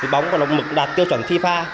bóng của động lực đạt tiêu chuẩn thi pha